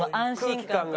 空気感が？